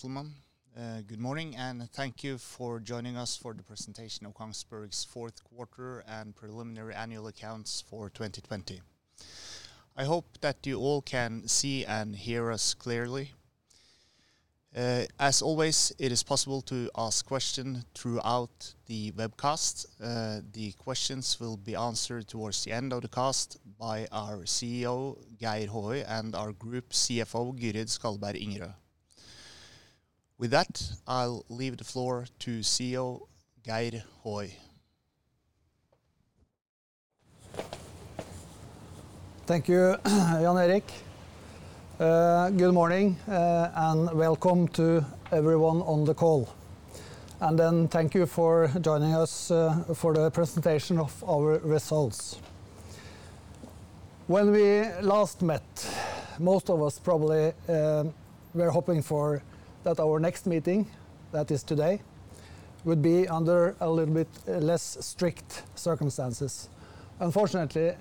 Gentlemen, good morning and thank you for joining us for the presentation of KONGSBERG's fourth quarter and preliminary annual accounts for 2020. I hope that you all can see and hear us clearly. As always, it is possible to ask questions throughout the webcast. The questions will be answered towards the end of the cast by our CEO, Geir Håøy, and our group CFO, Gyrid Skalleberg Ingerø. With that, I'll leave the floor to CEO Geir Håøy. Thank you, Jan Erik. Good morning and welcome to everyone on the call. Thank you for joining us for the presentation of our results. When we last met, most of us probably were hoping that our next meeting, that is today, would be under a little bit less strict circumstances. Unfortunately,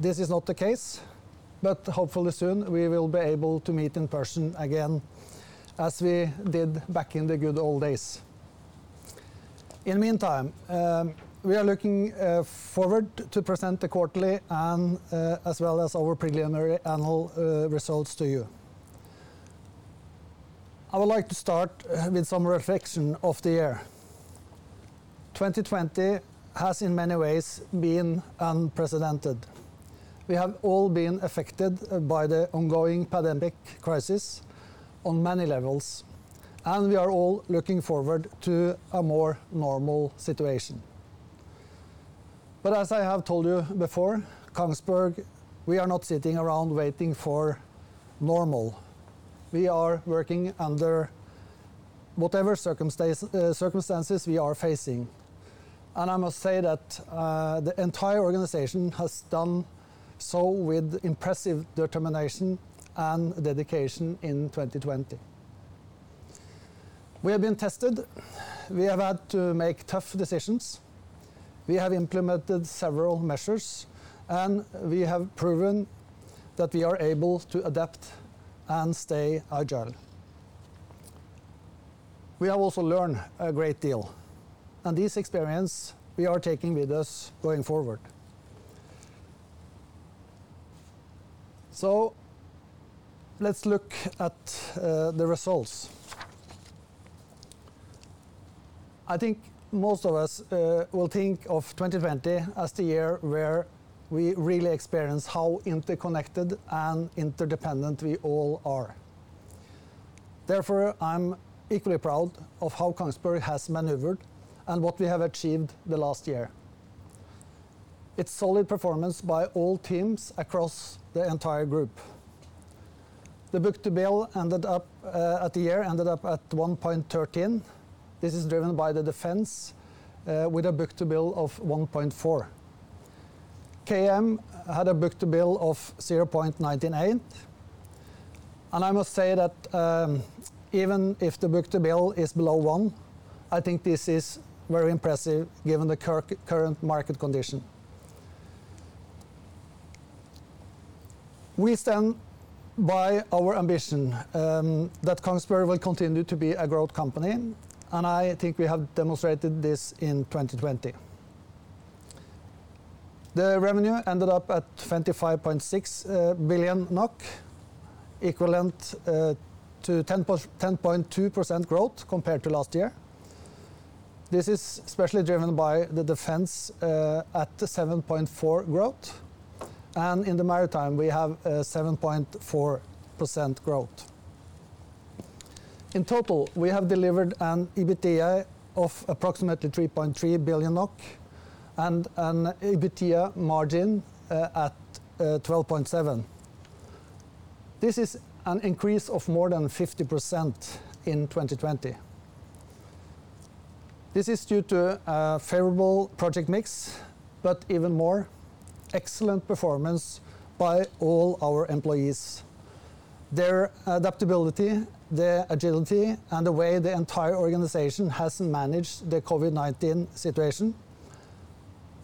this is not the case, but hopefully soon we will be able to meet in person again as we did back in the good old days. In the meantime, we are looking forward to present the quarterly as well as our preliminary annual results to you. I would like to start with some reflection of the year. 2020 has in many ways been unprecedented. We have all been affected by the ongoing pandemic crisis on many levels, and we are all looking forward to a more normal situation. As I have told you before, KONGSBERG, we are not sitting around waiting for normal. We are working under whatever circumstances we are facing, and I must say that the entire organization has done so with impressive determination and dedication in 2020. We have been tested. We have had to make tough decisions. We have implemented several measures, and we have proven that we are able to adapt and stay agile. We have also learned a great deal, and this experience we are taking with us going forward. Let's look at the results. I think most of us will think of 2020 as the year where we really experienced how interconnected and interdependent we all are. Therefore, I'm equally proud of how KONGSBERG has maneuvered and what we have achieved the last year. It's solid performance by all teams across the entire group. The book-to-bill at the year ended up at 1.13. This is driven by the Defence, with a book-to-bill of 1.4. KM had a book-to-bill of 0.98, and I must say that even if the book-to-bill is below one, I think this is very impressive given the current market condition. We stand by our ambition that KONGSBERG will continue to be a growth company, and I think we have demonstrated this in 2020. The revenue ended up at NOK 25.6 billion, equivalent to 10.2% growth compared to last year. This is especially driven by the Defence at 7.4% growth, and in the Maritime, we have 7.4% growth. In total, we have delivered an EBITDA of approximately NOK 3.3 billion and an EBITDA margin at 12.7%. This is an increase of more than 50% in 2020. This is due to a favorable project mix, but even more, excellent performance by all our employees, their adaptability, their agility, and the way the entire organization has managed the COVID-19 situation.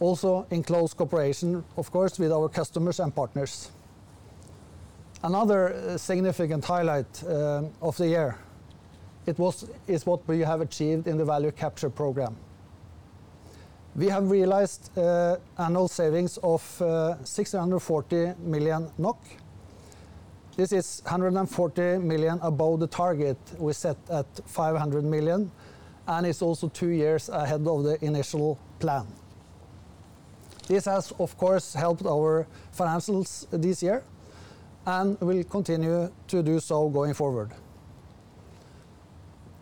Also in close cooperation, of course, with our customers and partners. Another significant highlight of the year is what we have achieved in the Value Capture Program. We have realized annual savings of 640 million NOK. This is 140 million above the target we set at 500 million and is also two years ahead of the initial plan. This has, of course, helped our financials this year and will continue to do so going forward.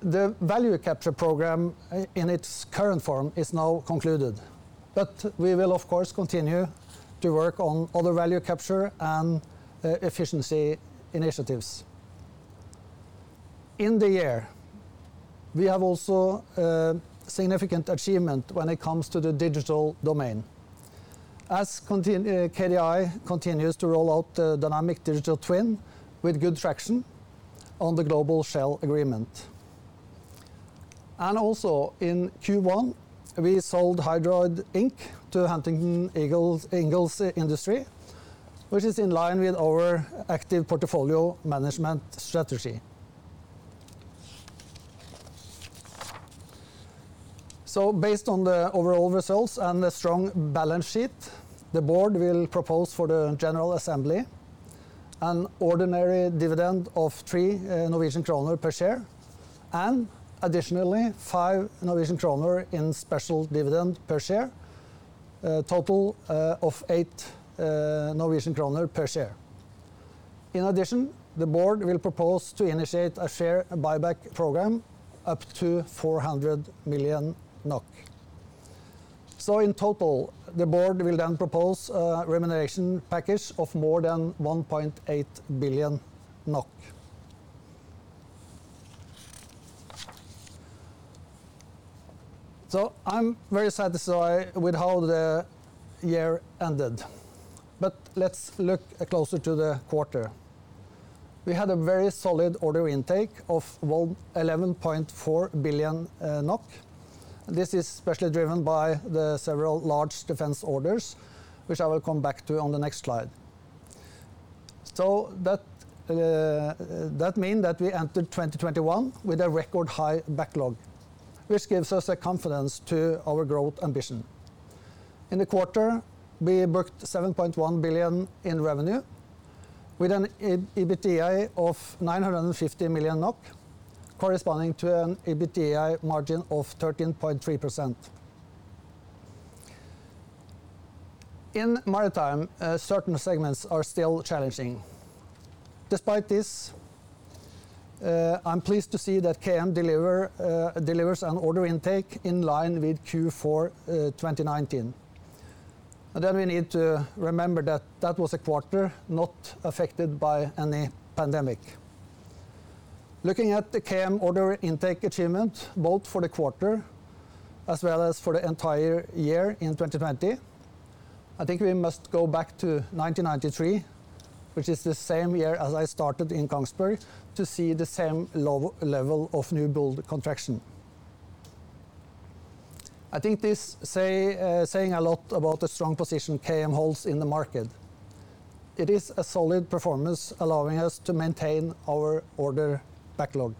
The Value Capture Program, in its current form, is now concluded, but we will of course continue to work on other value capture and efficiency initiatives. In the year, we have also significant achievement when it comes to the digital domain. As KDI continues to roll out the Dynamic Digital Twin with good traction on the global Shell agreement. Also in Q1, we sold Hydroid Inc. to Huntington Ingalls Industries, which is in line with our active portfolio management strategy. Based on the overall results and the strong balance sheet, the board will propose for the general assembly an ordinary dividend of 3 Norwegian kroner per share, and additionally, 5 Norwegian kroner in special dividend per share. A total of 8 Norwegian kroner per share. In addition, the board will propose to initiate a share buyback program up to 400 million NOK. In total, the board will then propose a remuneration package of more than 1.8 billion NOK. I'm very satisfied with how the year ended. Let's look closer to the quarter. We had a very solid order intake of 11.4 billion NOK. This is especially driven by the several large Defence orders, which I will come back to on the next slide. We entered 2021 with a record-high backlog, which gives us the confidence to our growth ambition. In the quarter, we booked 7.1 billion in revenue with an EBITDA of 950 million NOK, corresponding to an EBITDA margin of 13.3%. In maritime, certain segments are still challenging. Despite this, I'm pleased to see that KM delivers an order intake in line with Q4 2019. We need to remember that that was a quarter not affected by any pandemic. Looking at the KM order intake achievement, both for the quarter as well as for the entire year in 2020, I think we must go back to 1993, which is the same year as I started in KONGSBERG, to see the same low level of new build contraction. I think this is saying a lot about the strong position KM holds in the market. It is a solid performance allowing us to maintain our order backlog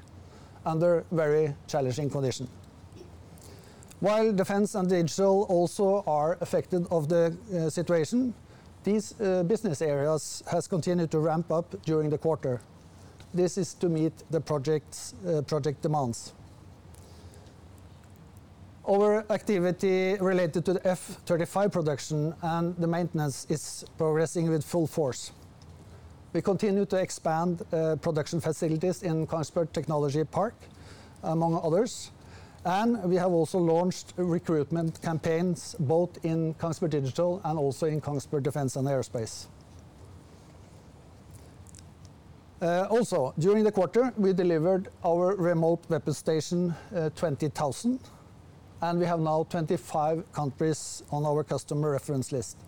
under very challenging conditions. While Defence and Digital also are affected of the situation, these business areas has continued to ramp up during the quarter. This is to meet the project demands. Our activity related to the F-35 production and the maintenance is progressing with full force. We continue to expand production facilities in Kongsberg Technology Park, among others, and we have also launched recruitment campaigns both in Kongsberg Digital and also in Kongsberg Defence & Aerospace. Also, during the quarter, we delivered our remote weapon station 20,000, and we have now 25 countries on our customer reference list,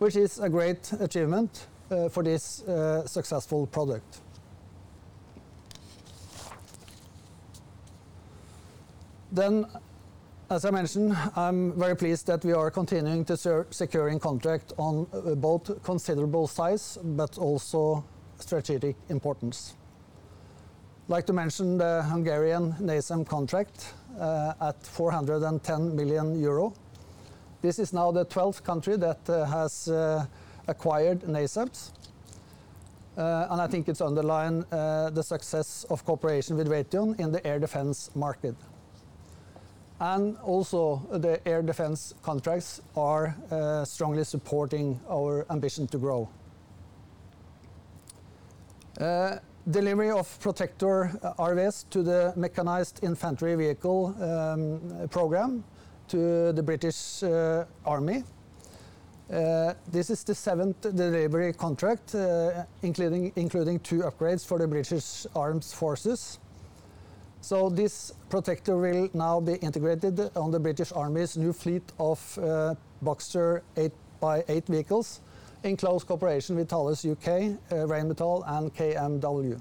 which is a great achievement for this successful product. As I mentioned, I'm very pleased that we are continuing to securing contract on both considerable size but also strategic importance. I'd like to mention the Hungarian NASAMS contract at 410 million euro. This is now the 12th country that has acquired NASAMS, and I think it underlines the success of cooperation with Raytheon in the air Defence market. The air Defence contracts are strongly supporting our ambition to grow. Delivery of PROTECTOR RWS to the mechanized infantry vehicle program to the British Army. This is the seven delivery contract, including two upgrades for the British Armed Forces. This Protector will now be integrated on the British Army's new fleet of Boxer eight-by-eight vehicles in close cooperation with Thales UK, Rheinmetall, and KMW.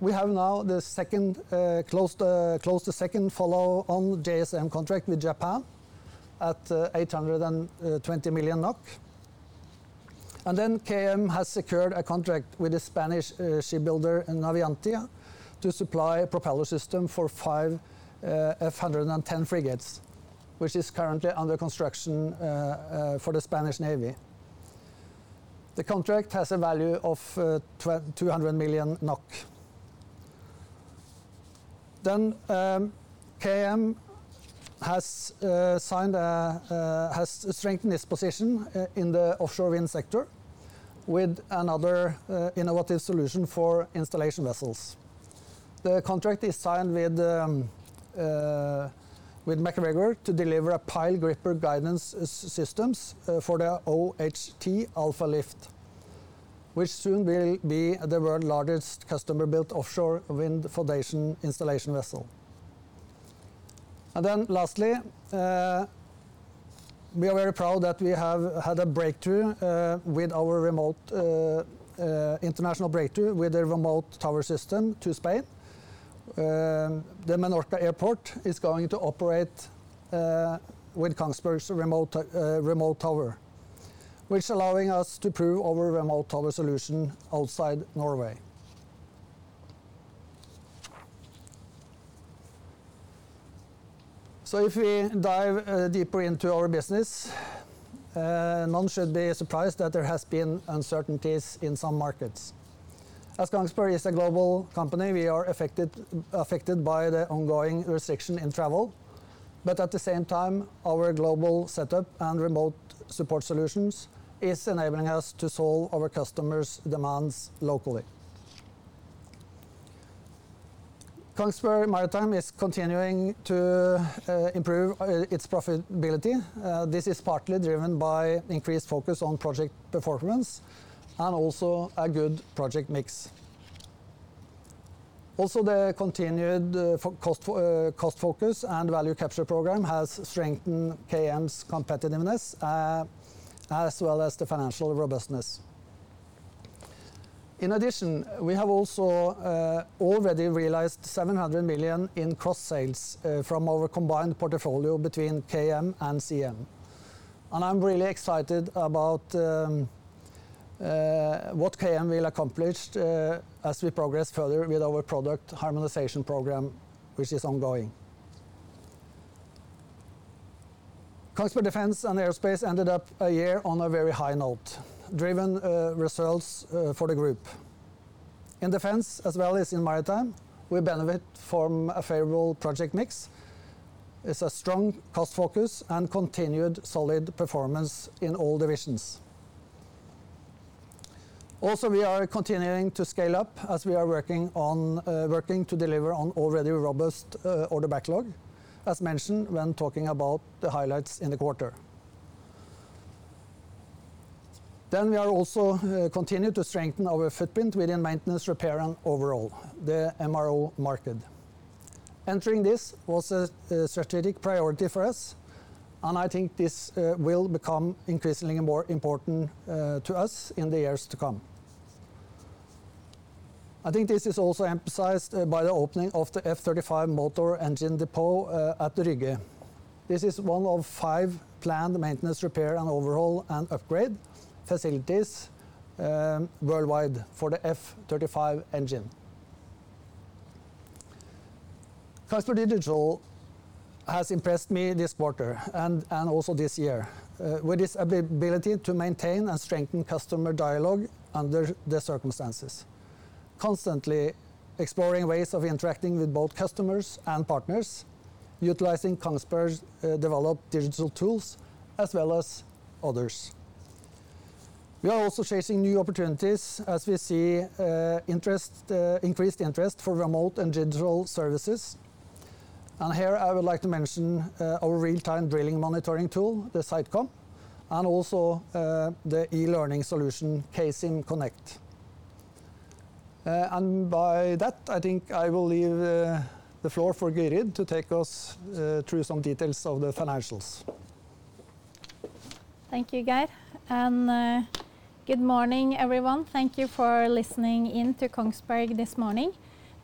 We have now closed the two follow-on JSM contract with Japan at 820 million NOK. KM has secured a contract with the Spanish shipbuilder Navantia to supply propeller system for five F110 frigates, which is currently under construction for the Spanish Navy. The contract has a value of 200 million NOK. KM has strengthened its position in the offshore wind sector with another innovative solution for installation vessels. The contract is signed with MacGregor to deliver a pile gripper guidance systems for the OHT Alfa Lift, which soon will be the world largest customer-built offshore wind foundation installation vessel. Lastly, we are very proud that we have had an international breakthrough with the remote tower system to Spain. The Menorca Airport is going to operate with KONGSBERG's remote tower, which allowing us to prove our remote tower solution outside Norway. If we dive deeper into our business, none should be surprised that there has been uncertainties in some markets. KONGSBERG is a global company, we are affected by the ongoing restriction in travel. At the same time, our global setup and remote support solutions is enabling us to solve our customers' demands locally. Kongsberg Maritime is continuing to improve its profitability. This is partly driven by increased focus on project performance and also a good project mix. The continued cost focus and Value Capture program has strengthened KM's competitiveness as well as the financial robustness. We have also already realized 700 million in cross sales from our combined portfolio between KM and CM. I'm really excited about what KM will accomplish as we progress further with our product harmonization program, which is ongoing. Kongsberg Defence & Aerospace ended up a year on a very high note, driven results for the group. In Defence as well as in Maritime, we benefit from a favorable project mix. It's a strong cost focus and continued solid performance in all divisions. We are continuing to scale up as we are working to deliver on already robust order backlog, as mentioned when talking about the highlights in the quarter. We are also continue to strengthen our footprint within maintenance, repair, and overhaul, the MRO market. Entering this was a strategic priority for us, and I think this will become increasingly more important to us in the years to come. I think this is also emphasized by the opening of the F-35 motor engine depot at Rygge. This is one of five planned maintenance, repair, and overhaul and upgrade facilities worldwide for the F-35 engine. Kongsberg Digital has impressed me this quarter and also this year with its ability to maintain and strengthen customer dialogue under the circumstances, constantly exploring ways of interacting with both customers and partners, utilizing KONGSBERG's developed digital tools as well as others. We are also chasing new opportunities as we see increased interest for remote and digital services. Here, I would like to mention our real-time drilling monitoring tool, the SiteCom, and also the e-learning solution, K-Sim Connect. By that, I think I will leave the floor for Gyrid to take us through some details of the financials. Thank you, Geir. Good morning, everyone. Thank you for listening in to KONGSBERG this morning.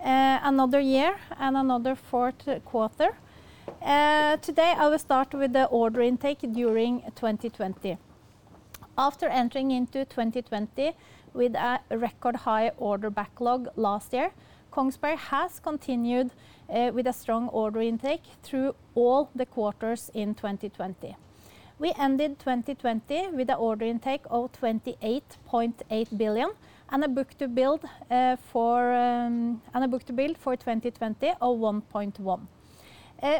Another year and another fourth quarter. Today, I will start with the order intake during 2020. After entering into 2020 with a record-high order backlog last year, KONGSBERG has continued with a strong order intake through all the quarters in 2020. We ended 2020 with an order intake of 28.8 billion and a book-to-bill for 2020 of 1.1.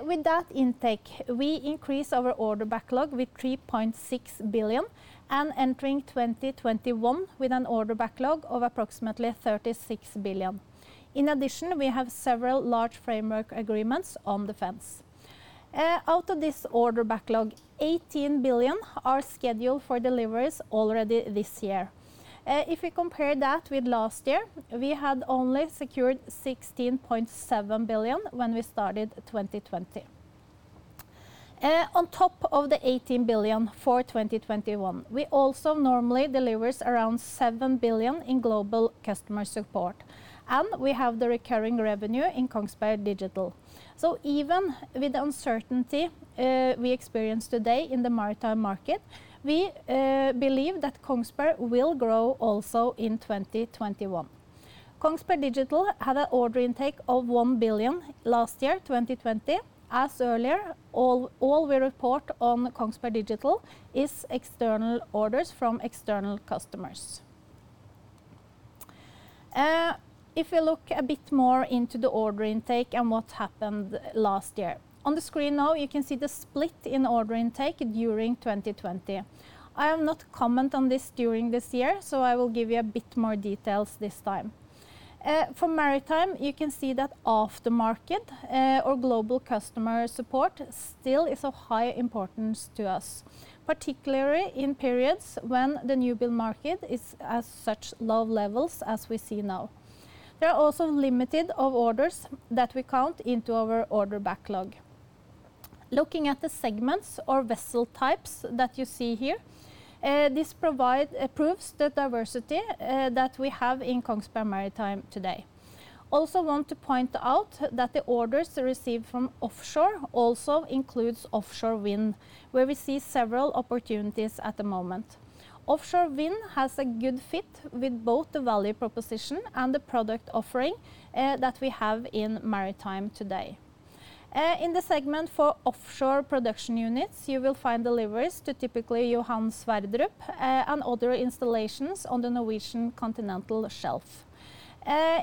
With that intake, we increase our order backlog with 3.6 billion and entering 2021 with an order backlog of approximately 36 billion. In addition, we have several large framework agreements on the fence. Out of this order backlog, 18 billion are scheduled for deliveries already this year. If we compare that with last year, we had only secured 16.7 billion when we started 2020. On top of the 18 billion for 2021, we also normally delivers around 7 billion in Global Customer Support, and we have the recurring revenue in Kongsberg Digital. Even with the uncertainty we experience today in the maritime market, we believe that KONGSBERG will grow also in 2021. Kongsberg Digital had an order intake of 1 billion last year, 2020. As earlier, all we report on Kongsberg Digital is external orders from external customers. If we look a bit more into the order intake and what happened last year. On the screen now, you can see the split in order intake during 2020. I have not comment on this during this year, so I will give you a bit more details this time. For Maritime, you can see that aftermarket or Global Customer Support still is of high importance to us, particularly in periods when the new build market is at such low levels as we see now. There are also limited of orders that we count into our order backlog. Looking at the segments or vessel types that you see here, this proves the diversity that we have in Kongsberg Maritime today. We also want to point out that the orders received from offshore also includes offshore wind, where we see several opportunities at the moment. Offshore wind has a good fit with both the value proposition and the product offering that we have in Maritime today. In the segment for offshore production units, you will find deliveries to typically Johan Sverdrup and other installations on the Norwegian continental shelf.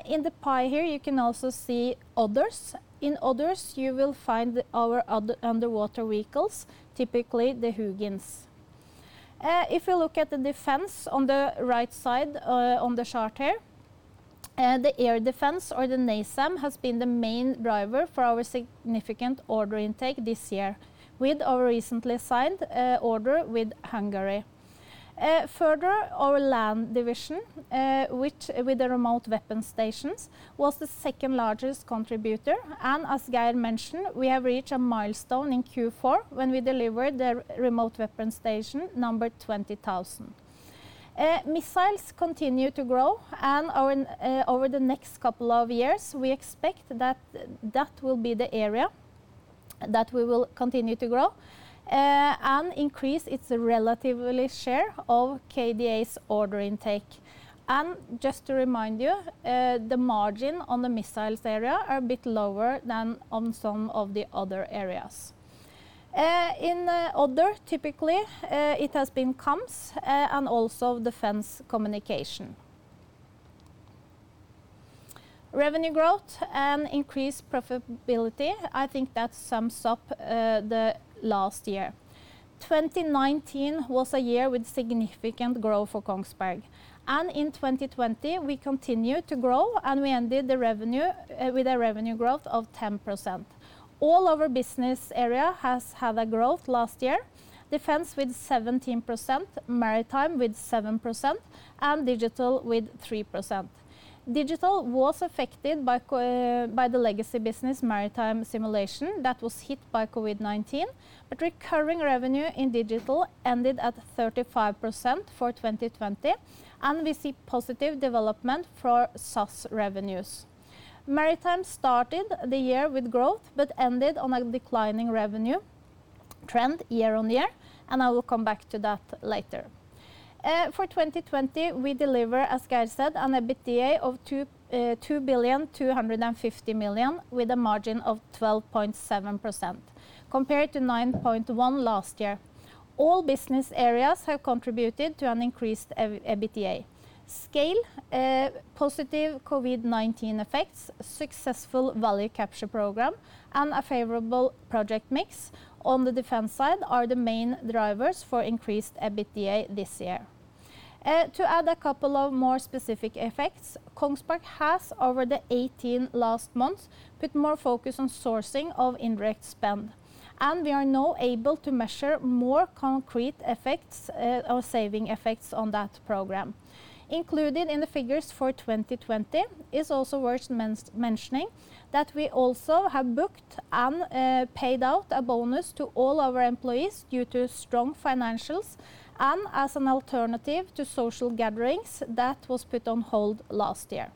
In the pie here, you can also see others. In others, you will find our other underwater vehicles, typically the HUGINs. If you look at the Defence on the right side on the chart here, the air Defence or the NASAMS has been the main driver for our significant order intake this year with our recently signed order with Hungary. Further, our land division, which with the remote weapon stations, was the second-largest contributor. As Geir mentioned, we have reached a milestone in Q4 when we delivered the remote weapon station number 20,000. Missiles continue to grow and over the next couple of years, we expect that that will be the area that we will continue to grow and increase its relatively share of KDA's order intake. Just to remind you, the margin on the missiles area are a bit lower than on some of the other areas. In other, typically, it has been comms, and also Defence communication. Revenue growth and increased profitability, I think that sums up the last year. 2019 was a year with significant growth for KONGSBERG, and in 2020 we continued to grow and we ended with a revenue growth of 10%. All our business area has had a growth last year. Defence with 17%, Maritime with 7%, and Digital with 3%. Digital was affected by the legacy business Maritime simulation that was hit by COVID-19. Recurring revenue in Digital ended at 35% for 2020, and we see positive development for SaaS revenues. Maritime started the year with growth but ended on a declining revenue trend year-over-year, and I will come back to that later. For 2020, we deliver, as Geir said, an EBITDA of 2.25 billion with a margin of 12.7% compared to 9.1% last year. All business areas have contributed to an increased EBITDA. Scale, positive COVID-19 effects, successful Value Capture program, and a favorable project mix on the Defence side are the main drivers for increased EBITDA this year. To add a couple of more specific effects, KONGSBERG has, over the 18 last months, put more focus on sourcing of indirect spend, and we are now able to measure more concrete effects or saving effects on that program. Included in the figures for 2020 is also worth mentioning that we also have booked and paid out a bonus to all our employees due to strong financials and as an alternative to social gatherings that was put on hold last year.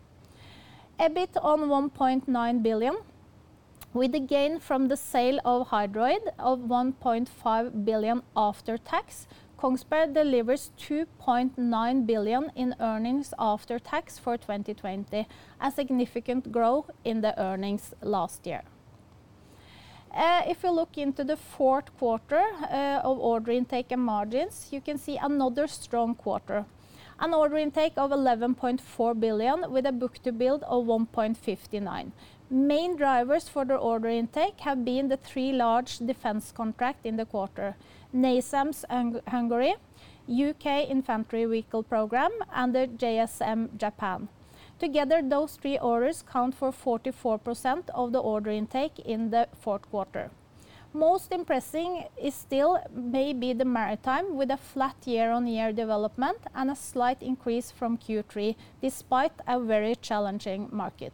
EBIT on 1.9 billion with a gain from the sale of Hydroid of 1.5 billion after tax. KONGSBERG delivers 2.9 billion in earnings after tax for 2020, a significant growth in the earnings last year. If you look into the fourth quarter of order intake and margins, you can see another strong quarter. An order intake of 11.4 billion with a book-to-bill of 1.59. Main drivers for the order intake have been the three large Defence contract in the quarter, NASAMS Hungary, U.K. Infantry Vehicle Program, and the JSM Japan. Together, those three orders count for 44% of the order intake in the fourth quarter. Most impressing is still may be the Maritime with a flat year-on-year development and a slight increase from Q3 despite a very challenging market.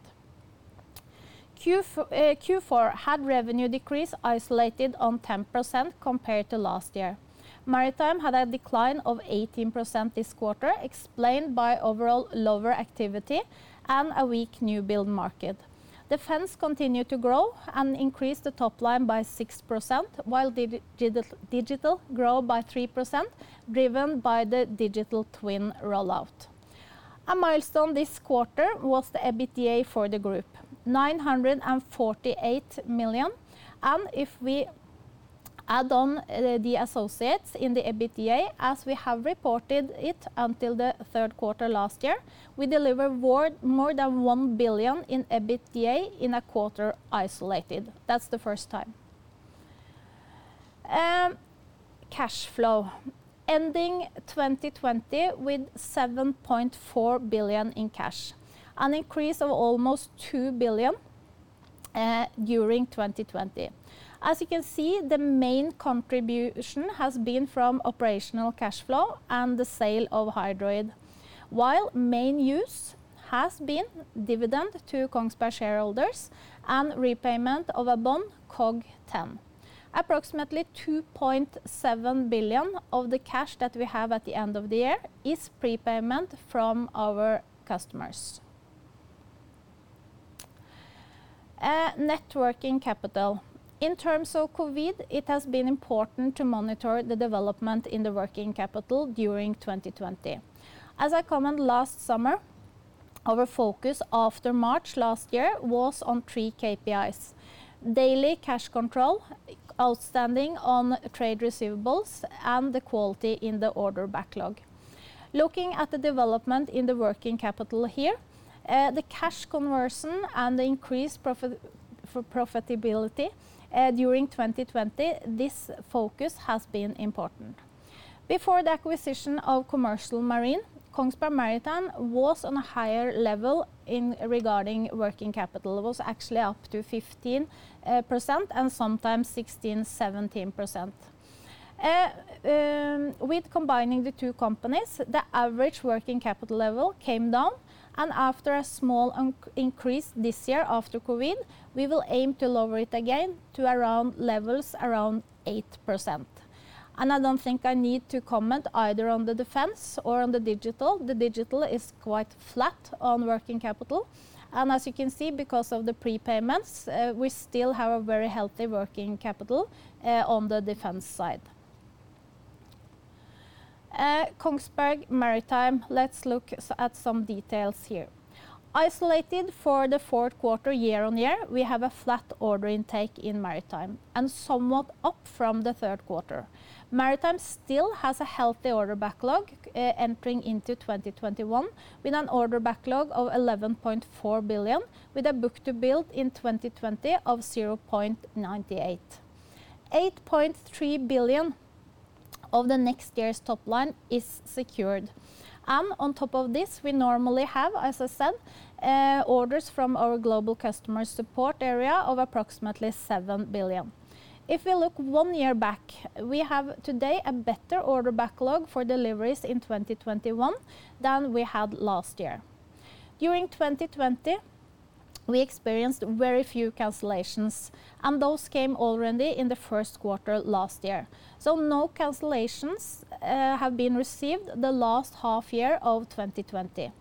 Q4 had revenue decrease isolated on 10% compared to last year. Maritime had a decline of 18% this quarter, explained by overall lower activity and a weak new build market. Defence continued to grow and increased the top line by 6%, while Digital grew by 3%, driven by the digital twin rollout. A milestone this quarter was the EBITDA for the group, 948 million, and if we add on the associates in the EBITDA, as we have reported it until the third quarter last year, we deliver more than 1 billion in EBITDA in a quarter isolated. That is the first time. Cash flow, ending 2020 with 7.4 billion in cash. An increase of almost 2 billion during 2020. As you can see, the main contribution has been from operational cash flow and the sale of Hydroid. Main use has been dividend to KONGSBERG shareholders and repayment of a bond, KOG-10. Approximately 2.7 billion of the cash that we have at the end of the year is prepayment from our customers. Net working capital. In terms of COVID, it has been important to monitor the development in the working capital during 2020. As I commented last summer, our focus after March last year was on three KPIs, daily cash control, outstanding on trade receivables, and the quality in the order backlog. Looking at the development in the working capital here, the cash conversion and the increased profitability during 2020, this focus has been important. Before the acquisition of Commercial Marine, Kongsberg Maritime was on a higher level regarding working capital. It was actually up to 15% and sometimes 16%, 17%. With combining the two companies, the average working capital level came down, and after a small increase this year, after COVID, we will aim to lower it again to levels around 8%. I don't think I need to comment either on the Defence or on the Digital. The Digital is quite flat on working capital. As you can see, because of the prepayments, we still have a very healthy working capital on the Defence side. Kongsberg Maritime, let's look at some details here. Isolated for the fourth quarter year-over-year, we have a flat order intake in Maritime and somewhat up from the third quarter. Maritime still has a healthy order backlog entering into 2021 with an order backlog of 11.4 billion, with a book-to-bill in 2020 of 0.98. 8.3 billion of the next year's top line is secured. On top of this, we normally have, as I said, orders from our Global Customer Support area of approximately 7 billion. If we look one year back, we have today a better order backlog for deliveries in 2021 than we had last year. During 2020, we experienced very few cancellations, and those came already in the first quarter last year. No cancellations have been received the last half year of 2020.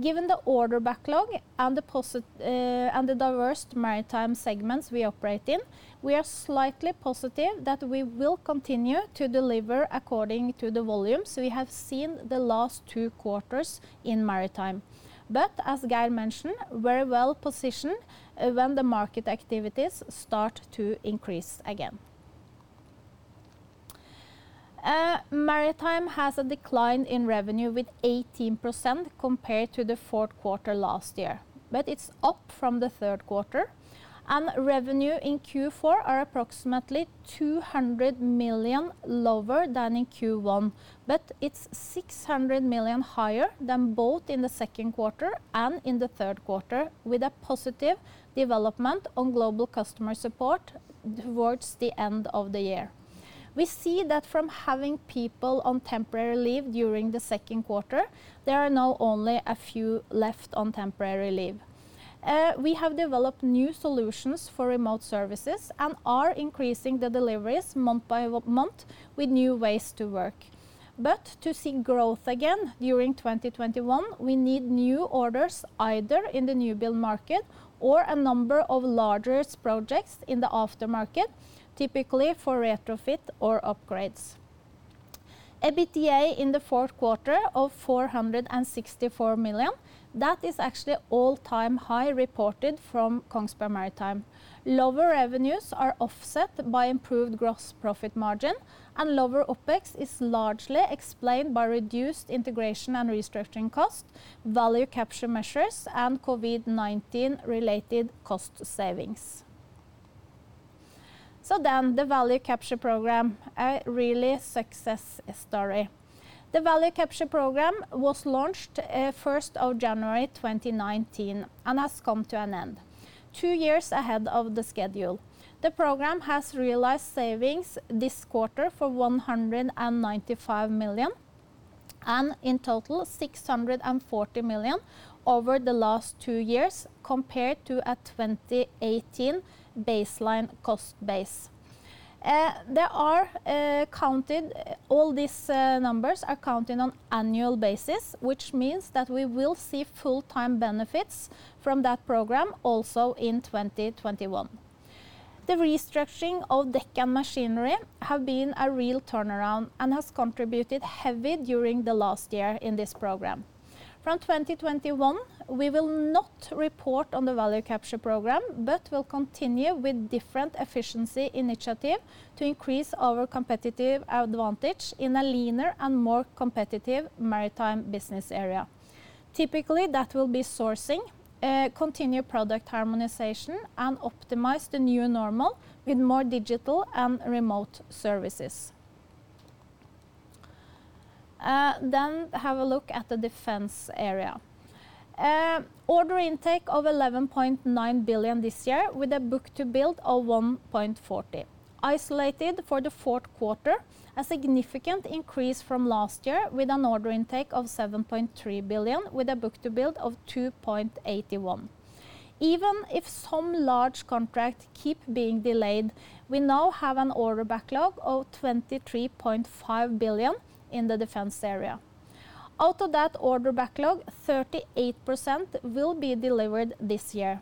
Given the order backlog and the diverse maritime segments we operate in, we are slightly positive that we will continue to deliver according to the volumes we have seen the last two quarters in Maritime. As Geir mentioned, very well-positioned when the market activities start to increase again. Maritime has a decline in revenue with 18% compared to the fourth quarter last year, it's up from the third quarter, and revenue in Q4 are approximately 200 million lower than in Q1. It's 600 million higher than both in the second quarter and in the third quarter with a positive development on Global Customer Support towards the end of the year. We see that from having people on temporary leave during the second quarter, there are now only a few left on temporary leave. We have developed new solutions for remote services and are increasing the deliveries month-by-month with new ways to work. To see growth again during 2021, we need new orders either in the new-build market or a number of larger projects in the aftermarket, typically for retrofit or upgrades. EBITDA in the fourth quarter of 464 million, that is actually all-time high reported from Kongsberg Maritime. Lower revenues are offset by improved gross profit margin, and lower OpEx is largely explained by reduced integration and restructuring costs, Value Capture measures, and COVID-19-related cost savings. The Value Capture program, a real success story. The Value Capture program was launched 1st of January 2019 and has come to an end two years ahead of the schedule. The program has realized savings this quarter for 195 million and in total 640 million over the last two years compared to a 2018 baseline cost base. All these numbers are counted on annual basis, which means that we will see full-time benefits from that program also in 2021. The restructuring of Deck and Machinery have been a real turnaround and has contributed heavily during the last year in this program. From 2021, we will not report on the Value Capture program will continue with different efficiency initiatives to increase our competitive advantage in a leaner and more competitive Maritime business area. Typically, that will be sourcing, continued product harmonization, and optimize the new normal with more digital and remote services. Have a look at the Defence area. Order intake of 11.9 billion this year with a book-to-bill of 1.40. Isolated for the fourth quarter, a significant increase from last year with an order intake of 7.3 billion with a book-to-bill of 2.81. Even if some large contracts keep being delayed, we now have an order backlog of 23.5 billion in the Defence area. Out of that order backlog, 38% will be delivered this year,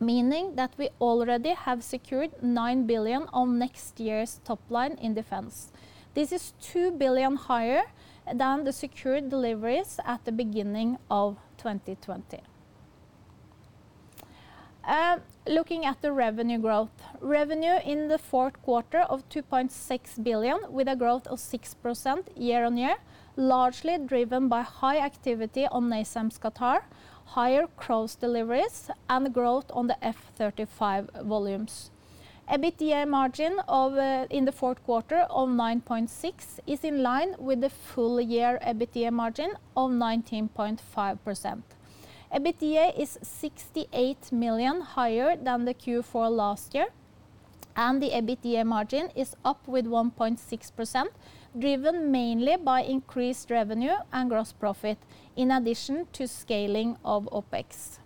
meaning that we already have secured 9 billion of next year's top line in Defence. This is 2 billion higher than the secured deliveries at the beginning of 2020. Looking at the revenue growth. Revenue in the fourth quarter of 2.6 billion, with a growth of 6% year-on-year, largely driven by high activity on NASAMS Qatar, higher CROWS deliveries, and growth on the F-35 volumes. EBITDA margin in the fourth quarter of 9.6% is in line with the full year EBITDA margin of 19.5%. EBITDA is 68 million higher than the Q4 last year, and the EBITDA margin is up with 1.6%, driven mainly by increased revenue and gross profit, in addition to scaling of OpEx.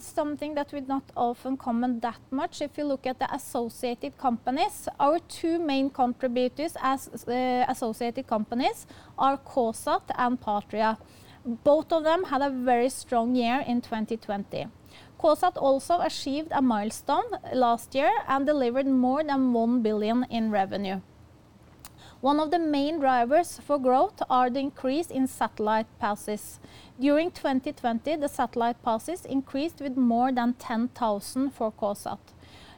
Something that we not often comment that much. If you look at the associated companies, our two main contributors as associated companies are KSAT and Patria. Both of them had a very strong year in 2020. KSAT also achieved a milestone last year and delivered more than 1 billion in revenue. One of the main drivers for growth are the increase in satellite passes. During 2020, the satellite passes increased with more than 10,000 for KSAT.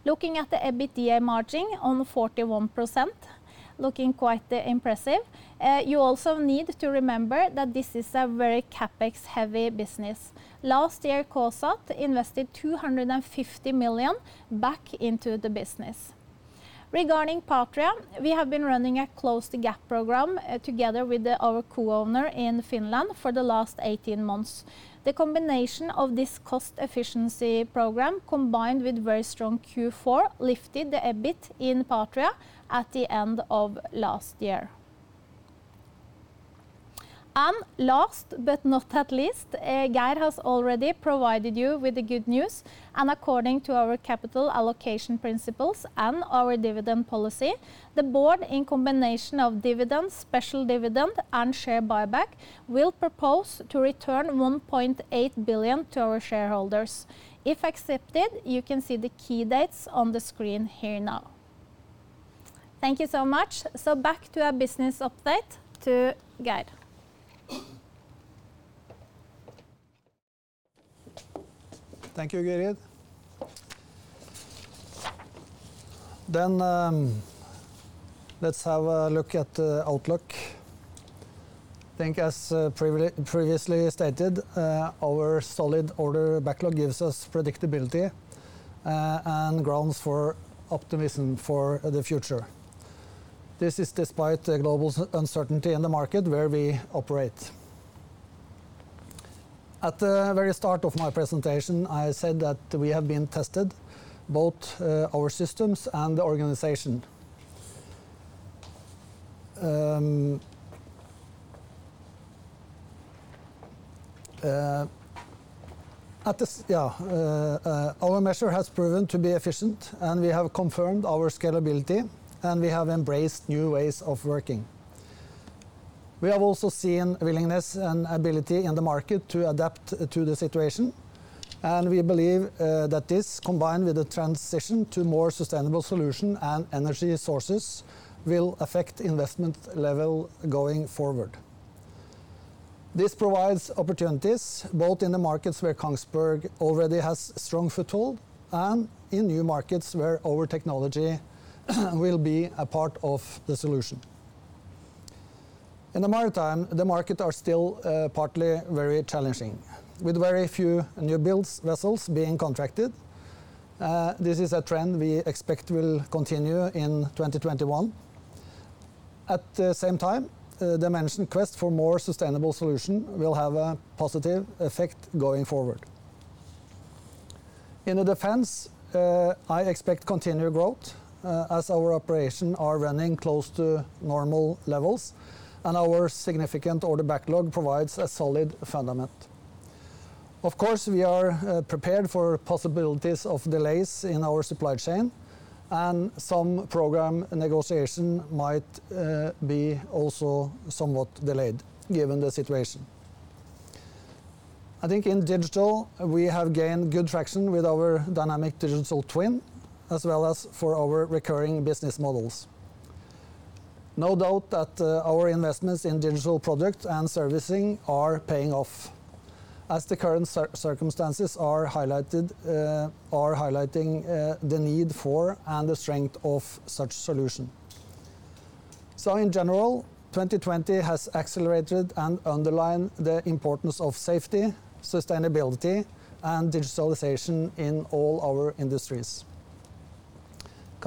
Looking at the EBITDA margin on 41%, looking quite impressive. You also need to remember that this is a very CapEx-heavy business. Last year, KSAT invested 250 million back into the business. Regarding Patria, we have been running a close-the-gap program together with our co-owner in Finland for the last 18 months. The combination of this cost efficiency program, combined with very strong Q4, lifted the EBIT in Patria at the end of last year. Last but not least, Geir has already provided you with the good news, and according to our capital allocation principles and our dividend policy, the Board, in combination of dividends, special dividend, and share buyback, will propose to return 1.8 billion to our shareholders. If accepted, you can see the key dates on the screen here now. Thank you so much. Back to our business update to Geir. Thank you, Gyrid. Let's have a look at the outlook. I think as previously stated, our solid order backlog gives us predictability and grounds for optimism for the future. This is despite the global uncertainty in the market where we operate. At the very start of my presentation, I said that we have been tested, both our systems and the organization. Our measure has proven to be efficient, and we have confirmed our scalability, and we have embraced new ways of working. We have also seen willingness and ability in the market to adapt to the situation, and we believe that this, combined with the transition to more sustainable solution and energy sources, will affect investment level going forward. This provides opportunities both in the markets where KONGSBERG already has strong foothold and in new markets where our technology will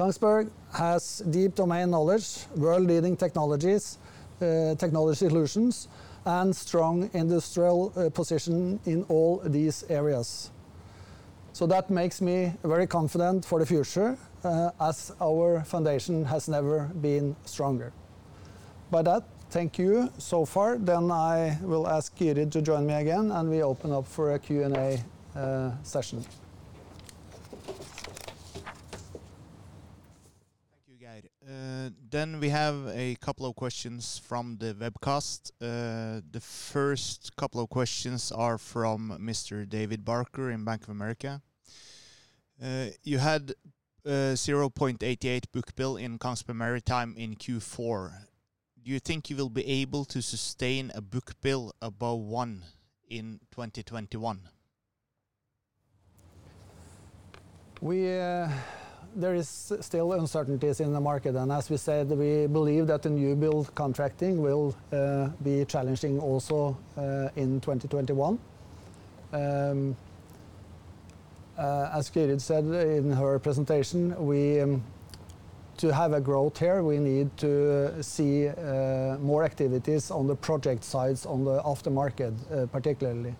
be a part of the solution. In the maritime, the market are still partly very challenging, with very few newbuild vessels being contracted. This is a trend we expect will continue in 2021. At the same time, the mentioned quest for more sustainable solution will have a said, we believe that the new build contracting will be challenging also in 2021. As Gyrid said in her presentation, to have growth here, we need to see more activities on the project sides on the aftermarket particularly.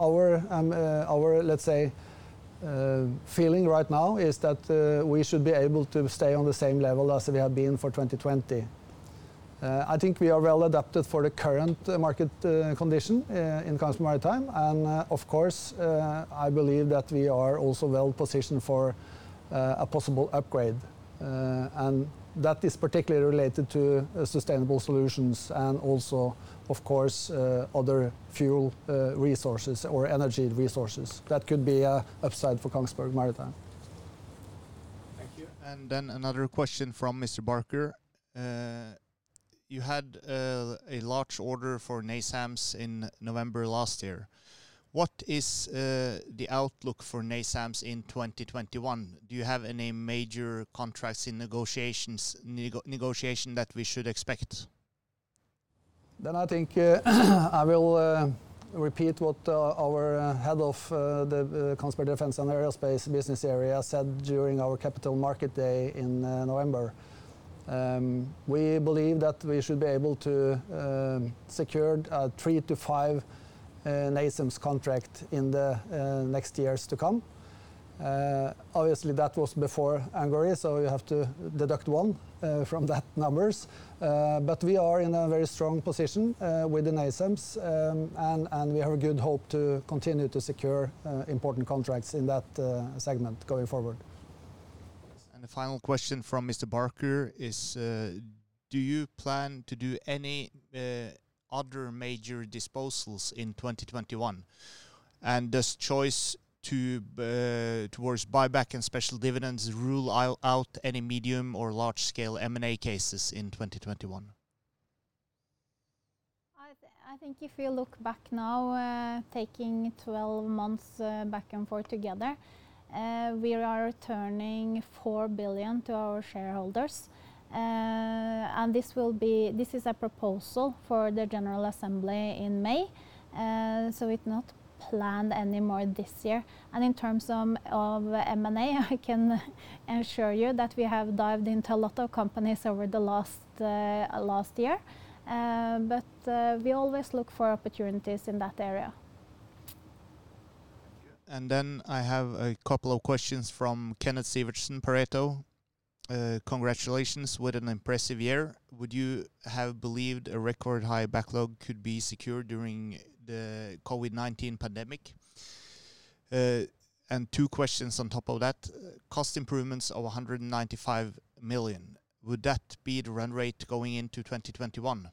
Our feeling right now is that we should be able to stay on the same level as we have been for 2020. I think we are well adapted for the current market condition in Kongsberg Maritime. Of course, I believe that we are also well-positioned for a possible upgrade. That is particularly related to sustainable solutions and also other fuel resources or energy resources that could be an upside for Kongsberg Maritime. Thank you. Another question from Mr. Barker. You had a large order for NASAMS in November last year. What is the outlook for NASAMS in 2021? Do you have any major contracts in negotiation that we should expect? I think I will repeat what our head of the Kongsberg Defence & Aerospace business area said during our capital market day in November. We believe that we should be able to secure three to five NASAMS contracts in the next years to come. Obviously, that was before Hungary, you have to deduct one from that numbers. We are in a very strong position with the NASAMS, and we have a good hope to continue to secure important contracts in that segment going forward. Yes. The final question from Mr. Barker is, do you plan to do any other major disposals in 2021? Does choice towards buyback and special dividends rule out any medium or large-scale M&A cases in 2021? I think if you look back now, taking 12 months back and forth together, we are returning 4 billion to our shareholders. This is a proposal for the general assembly in May, so it's not planned anymore this year. In terms of M&A, I can assure you that we have dived into a lot of companies over the last year. We always look for opportunities in that area. Thank you. I have a couple of questions from Kenneth Sivertsen, Pareto. Congratulations. What an impressive year. Would you have believed a record-high backlog could be secured during the COVID-19 pandemic? Two questions on top of that, cost improvements of 195 million, would that be the run rate going into 2021?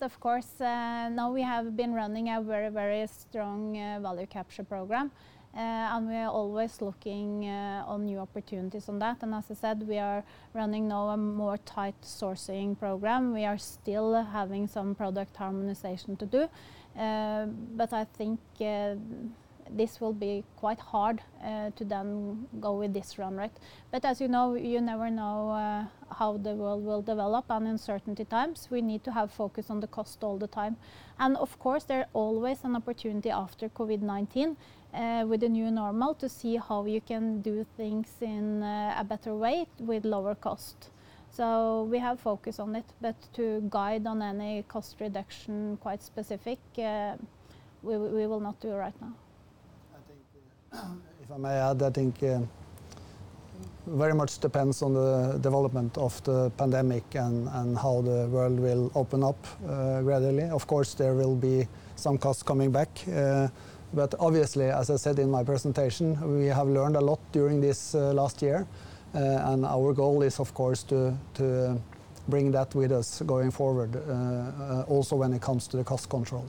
Of course, now we have been running a very strong Value Capture program, and we are always looking on new opportunities on that. As I said, we are running now a tighter sourcing program. We are still having some product harmonization to do. I think this will be quite hard to then go with this run rate. As you know, you never know how the world will develop. In uncertain times, we need to have focus on the cost all the time. Of course, there are always an opportunity after COVID-19, with the new normal, to see how you can do things in a better way with lower cost. We have focus on it. To guide on any cost reduction quite specific, we will not do it right now. If I may add, I think very much depends on the development of the pandemic and how the world will open up gradually. Of course, there will be some costs coming back. Obviously, as I said in my presentation, we have learned a lot during this last year, and our goal is, of course, to bring that with us going forward, also when it comes to the cost control.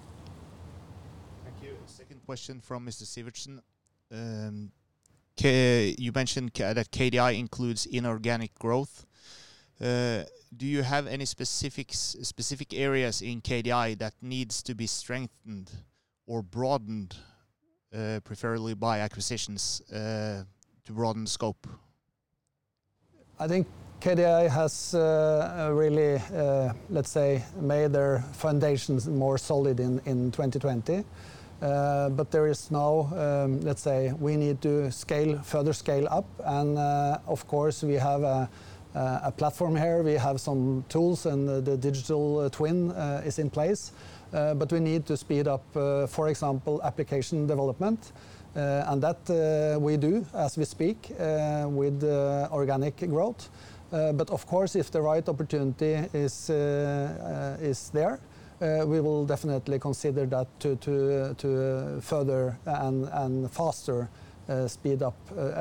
Thank you. Second question from Mr. Sivertsen. You mentioned that KDI includes inorganic growth. Do you have any specific areas in KDI that needs to be strengthened or broadened, preferably by acquisitions, to broaden scope? I think KDI has really, let's say, made their foundations more solid in 2020. There is now, let's say, we need to further scale up. Of course, we have a platform here. We have some tools and the Digital Twin is in place. We need to speed up, for example, application development. That we do as we speak with organic growth. Of course, if the right opportunity is there, we will definitely consider that to further and faster speed up,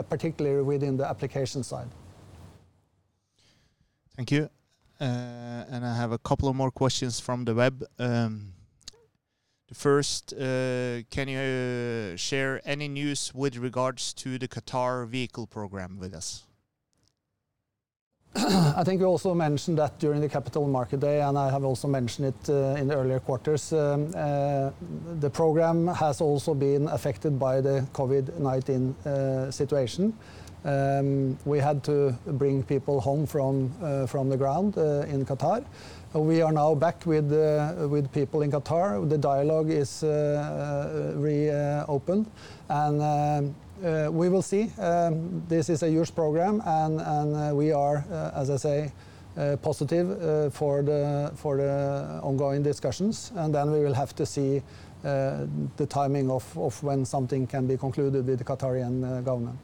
particularly within the application side. Thank you. I have a couple of more questions from the web. The first, can you share any news with regards to the Qatar vehicle program with us? I think we also mentioned that during the Capital Market Day. I have also mentioned it in the earlier quarters. The program has also been affected by the COVID-19 situation. We had to bring people home from the ground in Qatar. We are now back with people in Qatar. The dialogue is reopen. We will see. This is a huge program. We are, as I say, positive for the ongoing discussions. Then we will have to see the timing of when something can be concluded with the Qatarian government.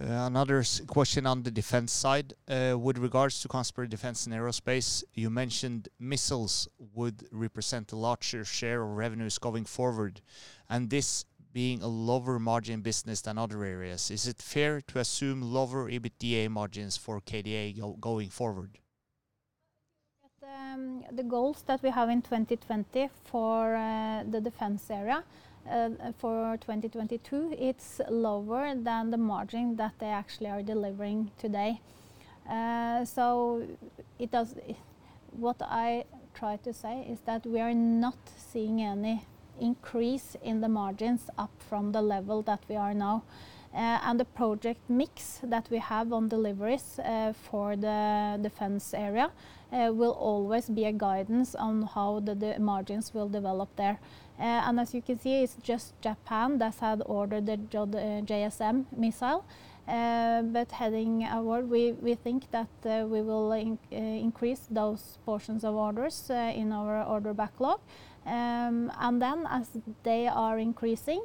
Another question on the Defence side. With regards to Kongsberg Defence & Aerospace, you mentioned missiles would represent a larger share of revenues going forward, and this being a lower margin business than other areas. Is it fair to assume lower EBITDA margins for KDA going forward? The goals that we have in 2020 for the Defence area for 2022, it's lower than the margin that they actually are delivering today. What I try to say is that we are not seeing any increase in the margins up from the level that we are now. The project mix that we have on deliveries for the Defence area will always be a guidance on how the margins will develop there. As you can see, it's just Japan that had ordered the JSM missile. Heading our way, we think that we will increase those portions of orders in our order backlog. As they are increasing,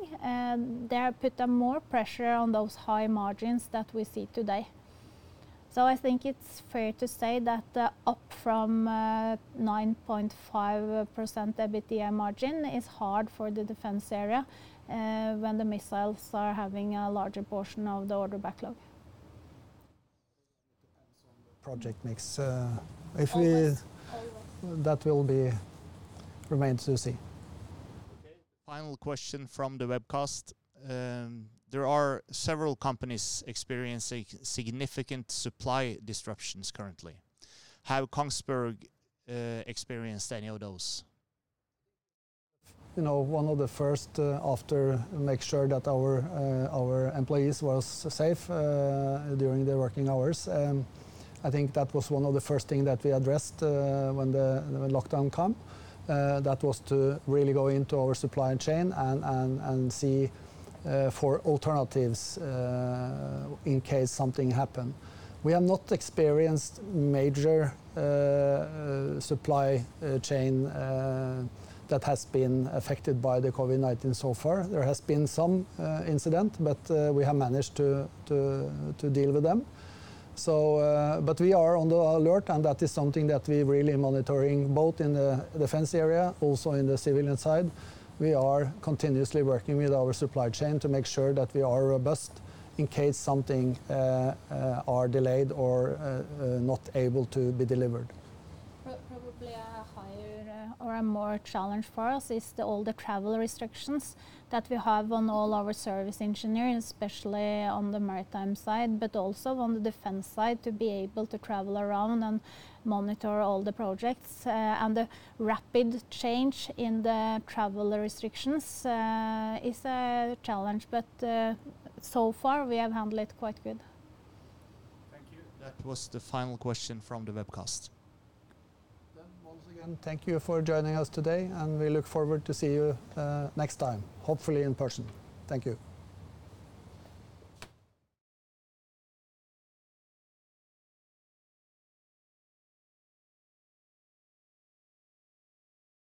they put more pressure on those high margins that we see today. I think it's fair to say that up from 9.5% EBITDA margin is hard for the Defence area when the missiles are having a larger portion of the order backlog. Project mix. Always. That will remain to be seen. Okay, final question from the webcast. There are several companies experiencing significant supply disruptions currently. Have KONGSBERG experienced any of those? One of the first after make sure that our employees was safe during their working hours. I think that was one of the first thing that we addressed when the lockdown come, that was to really go into our supply chain and see for alternatives in case something happened. We have not experienced major supply chain that has been affected by the COVID-19 so far. There has been some incident, we have managed to deal with them. We are on the alert, and that is something that we're really monitoring, both in the Defence area, also in the civilian side. We are continuously working with our supply chain to make sure that we are robust in case something are delayed or not able to be delivered. Probably a higher or a more challenge for us is all the travel restrictions that we have on all our service engineers, especially on the maritime side, but also on the Defence side, to be able to travel around and monitor all the projects. The rapid change in the travel restrictions is a challenge. So far, we have handled it quite good. Thank you. That was the final question from the webcast. Once again, thank you for joining us today and we look forward to see you next time, hopefully in person. Thank you.